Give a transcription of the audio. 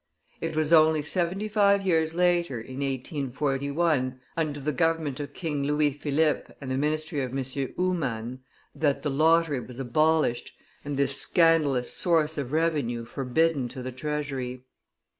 It was only seventy five years later, in 1841, under the government of King Louis Philippe and the ministry of M. Humann, that the lottery was abolished, and this scandalous source of revenue forbidden to the treasury.